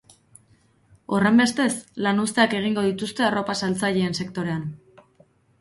Horrenbestez, lanuzteak egingo dituzte arropa saltzaileen sektorean.